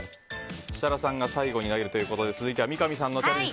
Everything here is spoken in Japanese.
設楽さんが最後に投げるということで続いて三上さんのチャレンジ。